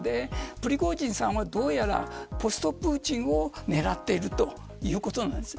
プリゴジンさんはどうやらポストプーチンを狙っているということです。